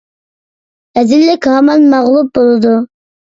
رەزىللىك ھامان مەغلۇپ بولىدۇ!